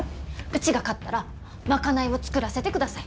うちが勝ったら賄いを作らせてください！